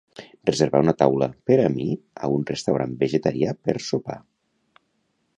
Reservar una taula per a mi a un restaurant vegetarià per sopar.